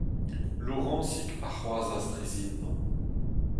Lorañsig a c’hoarzhas dre zindan.